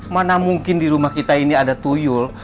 mana mungkin di rumah kita ini ada tuyul